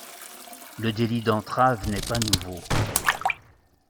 Le délit d’entrave n’est pas nouveau.